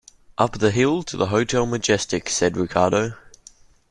"Up the hill to the Hotel Majestic," said Ricardo.